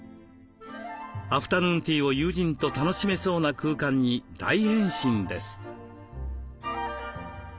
アフタヌーンティーを友人と楽しめそうな空間に大変身です。